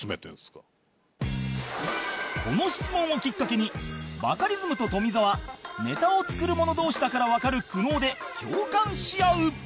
この質問をきっかけにバカリズムと富澤ネタを作る者同士だからわかる苦悩で共感し合う